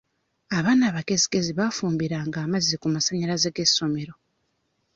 Abaana abagezigezi baafumbiranga amazzi ku masannyalaze g'essomero.